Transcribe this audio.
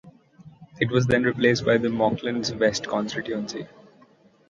It was then replaced by the Monklands West constituency.